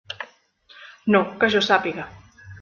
No, que jo sàpiga.